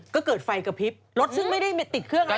ก็เกิดไฟกระพริบรถซึ่งไม่ได้ติดเครื่องอะไร